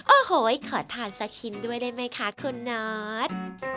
โอ้โหขอทานสักชิ้นด้วยได้ไหมคะคุณนอท